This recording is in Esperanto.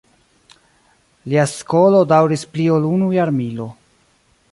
Lia skolo daŭris pli ol unu jarmilo.